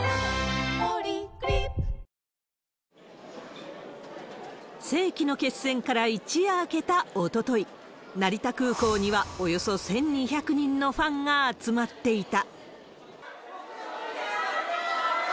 ポリグリップ世紀の決戦から一夜明けたおととい、成田空港にはおよそ１２００人のファンが集まっていた。